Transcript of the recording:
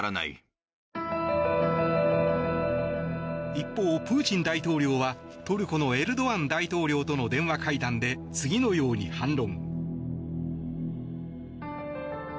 一方、プーチン大統領はトルコのエルドアン大統領との電話会談で次のように反論。